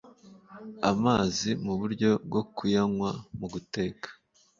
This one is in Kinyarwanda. amazi mu buryo bwo kuyanywa mu guteka